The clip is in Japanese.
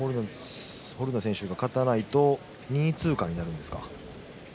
ホルーナ選手が勝たないと２位通過になるんですか。